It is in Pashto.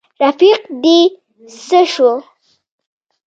رفیق دي څه شو.